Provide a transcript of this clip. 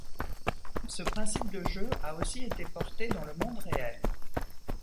Ce principe de jeu a aussi été porté dans le monde réel.